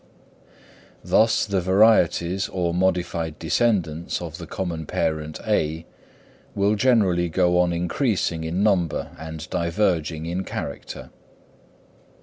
Thus the varieties or modified descendants of the common parent (A), will generally go on increasing in number and diverging in character.